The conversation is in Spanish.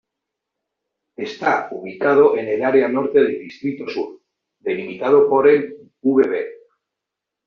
Está ubicado en el área norte del Distrito Sur, delimitado por el Bv.